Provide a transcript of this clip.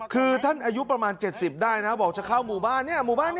คือท่านอายุประมาณเจ็ดสิบได้นะครับบอกจะเข้ามู่บ้านเนี้ย